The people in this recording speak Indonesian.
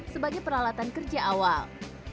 sebagai peralatan kerja awal